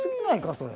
それ。